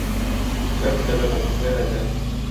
Cep telefonun nerede?